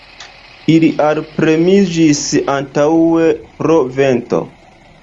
Ili alpremiĝis antaŭe, pro vento.